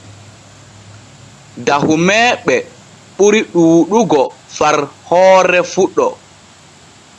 Dahumeeɓe ɓuri ɗuuɗugo far hoore fuɗo.